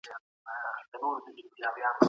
تاریخ موږ ته د نیکونو کیسې کوي.